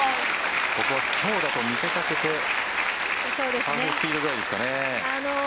ここは強打と見せかけてハーフチキータくらいですかね。